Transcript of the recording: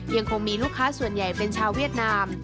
ยังคงมีลูกค้าส่วนใหญ่เป็นชาวเวียดนาม